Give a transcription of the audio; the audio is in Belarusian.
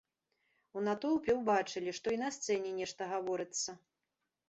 У натоўпе ўбачылі, што й на сцэне нешта гаворыцца.